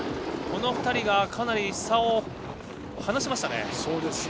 この２人がかなり差を離しました。